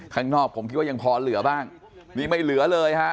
ข้างนอกผมคิดว่ายังพอเหลือบ้างนี่ไม่เหลือเลยฮะ